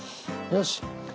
よし。